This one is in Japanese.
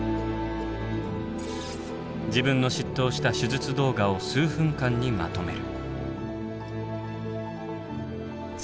自分の執刀した手術動画を数分間にまとめる。